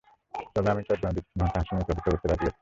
তবে আমি তাঁর জন্য দুই-তিন ঘণ্টা হাসিমুখেই অপেক্ষা করতে রাজি আছি।